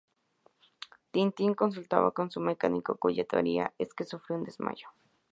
Tintín consulta con su mecánico, cuya teoría es que sufrió un desmayo.